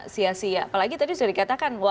sia sia apalagi tadi sudah dikatakan